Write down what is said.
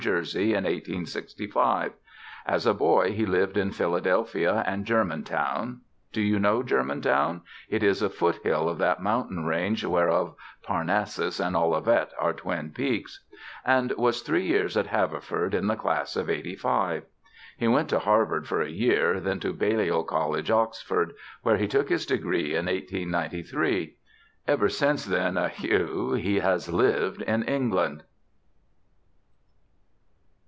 J., in 1865. As a boy he lived in Philadelphia and Germantown (do you know Germantown? it is a foothill of that mountain range whereof Parnassus and Olivet are twin peaks) and was three years at Haverford in the class of '85. He went to Harvard for a year, then to Balliol College, Oxford, where he took his degree in 1893. Ever since then, eheu, he has lived in England.